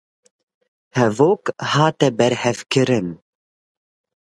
Hevok hate berhevkirin